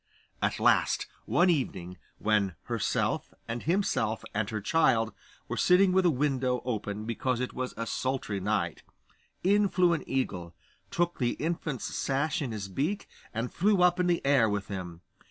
At last, one evening, when herself, and himself, and her child were sitting with a window open because it was a sultry night, in flew an eagle, took the infant's sash in his beak, and flew up in the air with him.